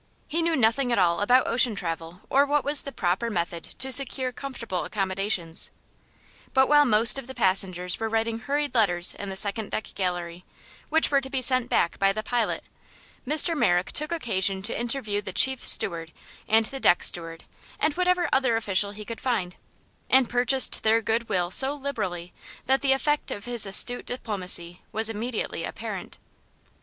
He knew nothing at all about ocean travel or what was the proper method to secure comfortable accommodations; but while most of the passengers were writing hurried letters in the second deck gallery, which were to be sent back by the pilot, Mr. Merrick took occasion to interview the chief steward and the deck steward and whatever other official he could find, and purchased their good will so liberally that the effect of his astute diplomacy was immediately apparent.